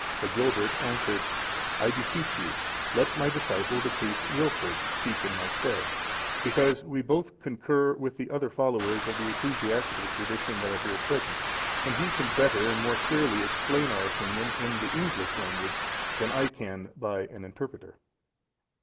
Agilbert answered, "I beseech you, let my disciple, the priest Wilfrid, speak in my stead; because we both concur with the other followers of the ecclesiastical tradition that are here present, and he can better and more clearly explain our opinion in the English language, than I can by an interpreter."